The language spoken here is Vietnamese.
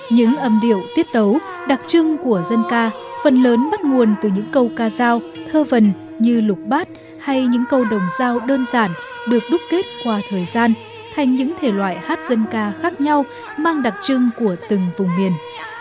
những âm điệu tiết tấu đặc trưng của dân ca phần lớn bắt nguồn từ những câu ca giao thơ vần như lục bát hay những câu đồng giao đơn giản được đúc kết qua thời gian thành những thể loại hát dân ca khác nhau mang đặc trưng của từng vùng miền